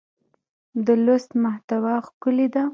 د لوست محتوا ښکلې ده.